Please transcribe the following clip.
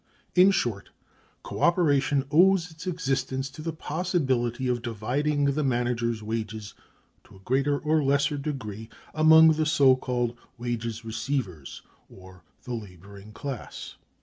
In short, co operation owes its existence to the possibility of dividing the manager's wages, to a greater or less degree, among the so called wages receivers, or the "laboring class."